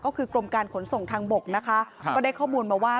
ก็คือกรมการขนส่งทางบกนะคะก็ได้ข้อมูลมาว่า